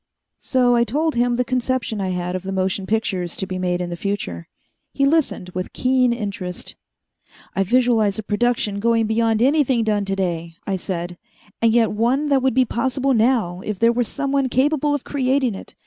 So I told him the conception I had of the motion pictures to be made in the future. He listened with keen interest. "I visualize a production going beyond anything done today," I said, "and yet one that would be possible now, if there were someone capable of creating it.